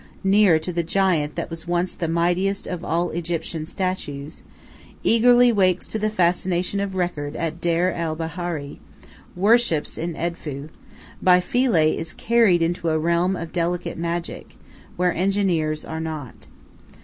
near to the giant that was once the mightiest of all Egyptian statues; eagerly wakes to the fascination of record at Deir el Bahari; worships in Edfu; by Philae is carried into a realm of delicate magic, where engineers are not.